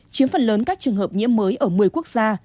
chiếm phần lớn các trường hợp nhiễm mới ở một mươi quốc gia